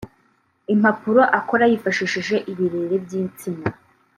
impapuro akora yifashishije ibirere by’insina